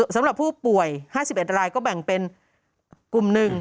สำหรับผู้ป่วย๕๑รายก็แบ่งเป็นกลุ่ม๑